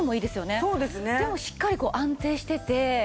でもしっかりこう安定してて。